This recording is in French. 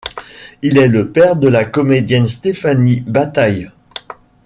Il est le père de la comédienne Stéphanie Bataille.